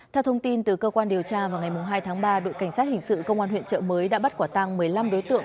theo thông tin từ cơ quan điều tra vào ngày hai tháng ba đội cảnh sát hình sự công an huyện trợ mới đã bắt quả tăng một mươi năm đối tượng